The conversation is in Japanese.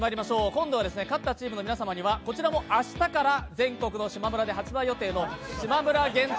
今度は勝ったチームの皆様には、こちらも明日から全国のしまむらで発売予定のしまむら限定